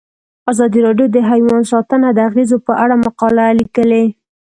ازادي راډیو د حیوان ساتنه د اغیزو په اړه مقالو لیکلي.